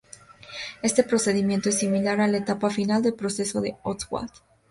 Este procedimiento es similar a la etapa final el proceso de Ostwald.